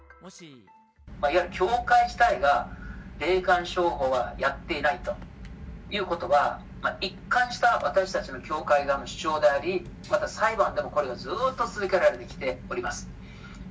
いわゆる教会自体が、霊感商法はやっていないということは、一貫した私たちの教会側の主張であり、また裁判でも、これがずっと続けられてきております。